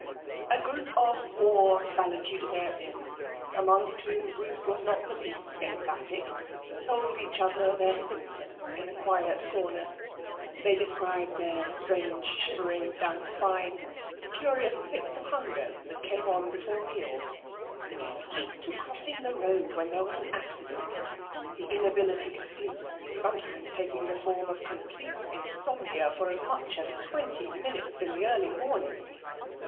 A group of war valetudinarians, amongst whom Bruce was not the least emphatic, told each other their symptoms in a quiet corner. They described their strange shiverings down the spine; the curious fits of hunger that came on before meals; the dislike to crossing the road when there was an accident; the inability to sleep, sometimes taking the form of complete insomnia for as much as twenty minutes in the early morning.